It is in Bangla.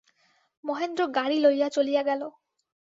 মহেন্দ্র গাড়ি লইয়া চলিয়া গেল।